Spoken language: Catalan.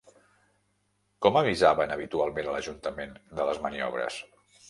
Com avisaven habitualment a l'ajuntament de les maniobres?